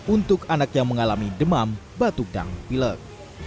untuk anak yang mengalami demam batuk dan pilek